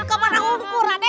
kamu sudah kemana raden